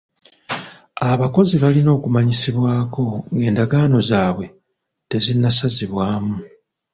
Abakozi balina okumanyisibwako ng'endagaano zaabwe tezinnasazibwamu.